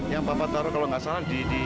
yang papa taruh kalau gak salah